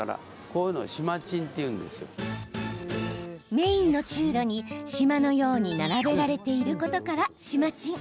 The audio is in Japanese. メインの通路に島のように並べられていることからシマチン。